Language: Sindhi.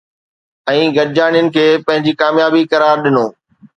۽ گڏجاڻين کي پنهنجي ڪاميابي قرار ڏنو